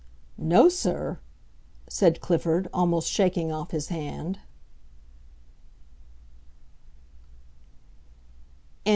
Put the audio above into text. "No, sir!" said Clifford, almost shaking off his hand.